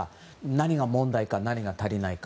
何が問題か、何が足りないか。